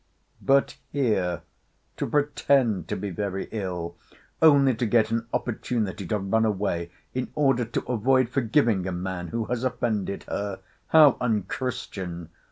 But here to pretend to be very ill, only to get an opportunity to run away, in order to avoid forgiving a man who has offended her, how unchristian!